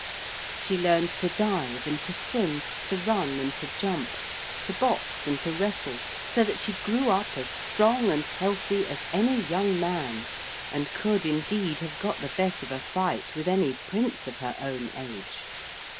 She learned to dive and to swim, to run and to jump, to box and to wrestle, so that she grew up as strong and healthy as any young man, and could, indeed, have got the best of a fight with any prince of her own age.